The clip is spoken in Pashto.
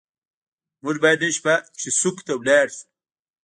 موږ باید نن شپه چیسوک ته لاړ شو.